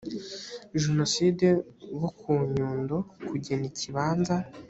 jenoside rwo ku nyundo kugena ikibanza